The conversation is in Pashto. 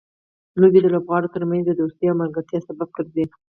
لوبې د لوبغاړو ترمنځ دوستۍ او ملګرتیا سبب ګرځي.